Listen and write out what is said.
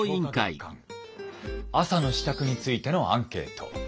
月間朝の支度についてのアンケート」。